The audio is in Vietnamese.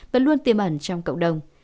vẫn luôn tiêm ẩn trong cộng đồng